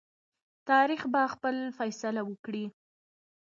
تاریخ به خپل فیصله وکړي.